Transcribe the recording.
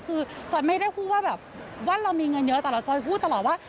คือจอยไม่ได้พูดว่าแบบว่าเรามีเงินเยอะแต่เราจะพูดตลอดว่า